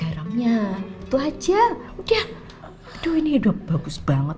aku gak tau kamu ada apa gak